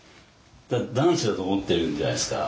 男子だと思ってるんじゃないっすか？